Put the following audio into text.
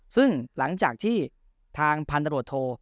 ซึ่งหลังจากที่ทางพันธบรวจโท